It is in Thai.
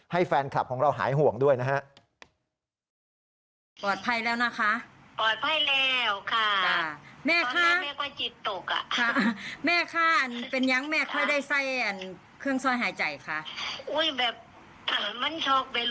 แฟนคลับของเราหายห่วงด้วยนะฮะ